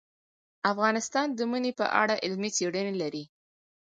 افغانستان د منی په اړه علمي څېړنې لري.